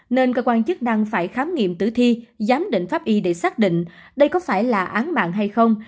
nên cơ quan chức năng phải khám nghiệm tử thi giám định pháp y để xác định đây có phải là án mạng hay không